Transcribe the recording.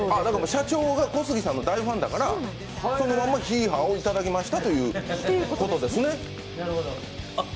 社長が小杉さんの大ファンだから、そのままヒーハーをいただいたということですね。